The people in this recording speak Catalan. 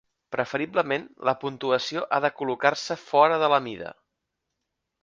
Preferiblement, la puntuació ha de col·locar-se fora de la mida.